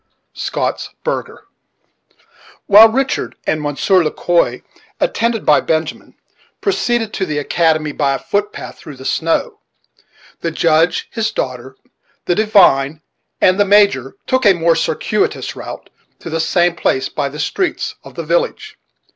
Scotts Burgher While Richard and Monsieur Le Quoi, attended by Benjamin, proceeded to the academy by a foot path through the snow, the judge, his daughter, the divine, and the Major took a more circuitous route to the same place by the streets of the village.